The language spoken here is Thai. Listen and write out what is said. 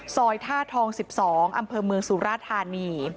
ซอยธท๑๒อำเภอเมืองสุราธารณี